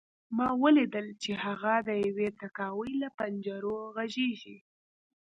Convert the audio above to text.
ما ولیدل چې هغه د یوې تهکوي له پنجرو غږېږي